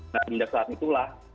nah tindak saat itulah